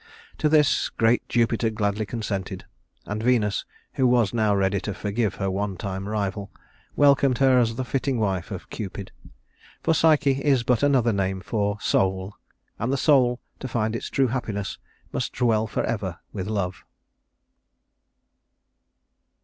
To this great Jupiter gladly consented; and Venus, who was now ready to forgive her one time rival, welcomed her as the fitting wife of Cupid, for Psyche is but another name for Soul, and the Soul, to find its true happiness, must dwell forever with Love.